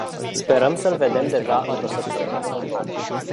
Sperăm să-l vedem deja într-o săptămână sau două.